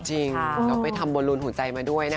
จริงเราไปทำบนรุนหุ่นใจมาด้วยนะคะ